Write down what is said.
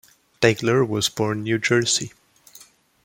Degler was born New Jersey.